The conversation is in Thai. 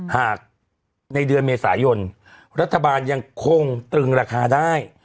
หากในเดือนเมษายนรัฐบาลยังคงตรึงราคาได้